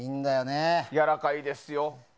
やわらかいですよ。